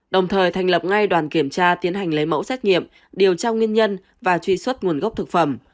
đồng thời thành lập ngay đoàn kiểm tra tiến hành lấy mẫu xét nghiệm điều tra nguyên nhân và truy xuất nguồn gốc thực phẩm